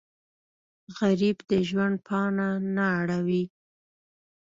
غریب د ژوند پاڼه نه اړوي